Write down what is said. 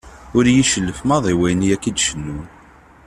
Ur iyi-cellef maḍi wayen yakk i d-cennun.